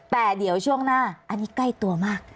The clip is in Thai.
แต่เดี๋ยวช่วงหน้าอันนี้ใกล้ตัวมาก